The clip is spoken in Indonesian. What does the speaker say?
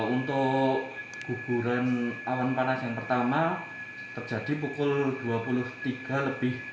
untuk guguran awan panas yang pertama terjadi pukul dua puluh tiga tiga puluh delapan